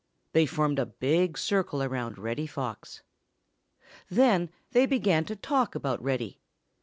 They formed a big circle around Reddy Fox. Then they began to talk about Reddy.